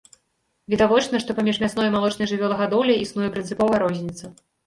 Відавочна, што паміж мясной і малочнай жывёлагадоўляй існуе прынцыповая розніца.